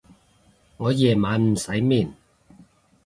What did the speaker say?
我夜晚唔使面